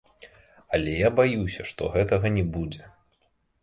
Але я баюся, што гэтага не будзе.